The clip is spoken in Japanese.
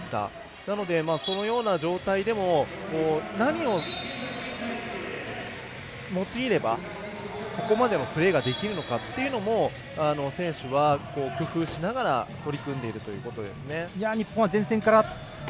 なので、そのような状態でも何を用いればここまでのプレーができるのかというところも選手は工夫しながら取り組んでいるということですね。